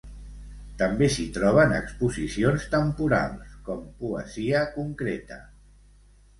També s'hi troben exposicions temporals, com Poesia concreta.